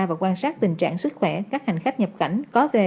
và quan sát tình trạng sức khỏe các hành khách nhập cảnh có về